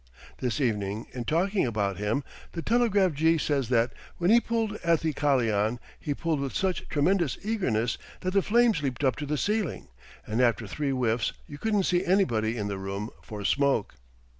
This evening, in talking about him, the telegraph jee says that "when he pulled at the kalian he pulled with such tremendous eagerness that the flames leaped up to the ceiling, and after three whiffs you couldn't see anybody in the room for smoke!"